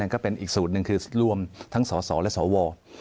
ก็เป็นอีกสูตรหนึ่งคือรวมทั้งสสและสว